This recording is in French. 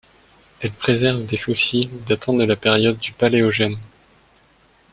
Elle préserve des fossiles datant de la période du Paléogène.